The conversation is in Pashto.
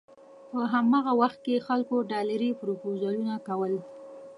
په هماغه وخت کې خلکو ډالري پروپوزلونه کول.